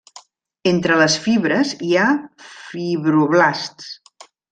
Entre les fibres hi ha fibroblasts.